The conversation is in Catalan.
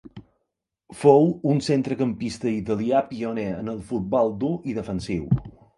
Fou un centrecampista italià pioner en el futbol dur i defensiu.